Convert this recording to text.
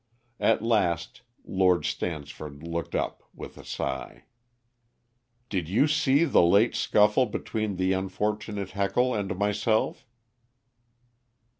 At last Lord Stansford looked up, with a sigh. "Did you see the late scuffle between the unfortunate Heckle and myself?"